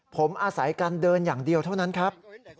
ผมอาศัยการเดินอย่างเดียวเท่านั้นครับ